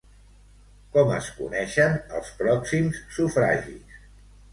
Com es coneixen els pròxims sufragis?